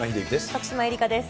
徳島えりかです。